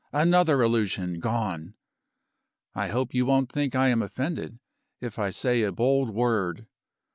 Another illusion gone! I hope you won't think I am offended, if I say a bold word.